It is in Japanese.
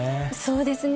そうですね。